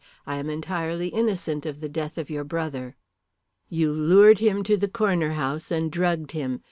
I am entirely innocent of the death of your brother." "You lured him to the Corner House and drugged him.